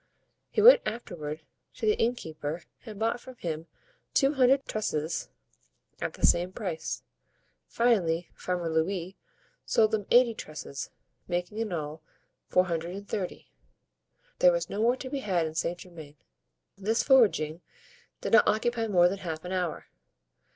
He went afterward to the innkeeper and bought from him two hundred trusses at the same price. Finally, Farmer Louis sold them eighty trusses, making in all four hundred and thirty. There was no more to be had in Saint Germain. This foraging did not occupy more than half an hour.